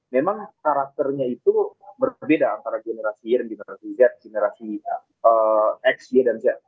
memang karakternya itu berbeda antara generasi y dan generasi z generasi x y dan z